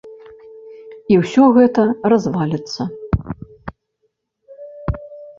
І ўсё гэта разваліцца.